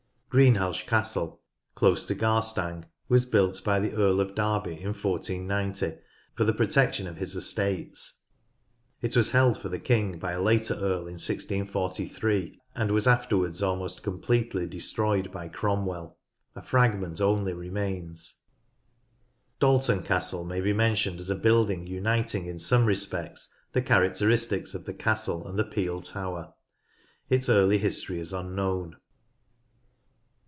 Greenhalgh Castle, close to Garstang, was built by the Earl of Derby in 1490 for the protection of his estates. It was held for the king by a later earl in 1643, a "d was afterwards almost completely destroyed by Cromwell. A fragment only remains. ARCHITECTURE— MILITARY 137 Dalton Castle may be mentioned as a building uniting in some respects the characteristics of the castle and the peel tower. Its early history is unknown.